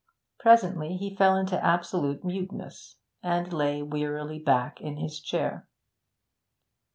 Presently he fell into absolute muteness, and lay wearily back in his chair.